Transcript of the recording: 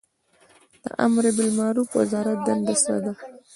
د امربالمعروف وزارت دنده څه ده؟